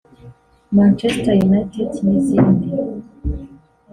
Manchester United n’izindi